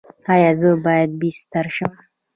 ایا زه باید بستري شم؟